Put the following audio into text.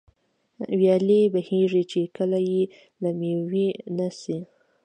ويالې بهېږي، چي كله ئې له مېوې نه څه